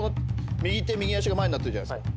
右手右足が前になってるじゃないですか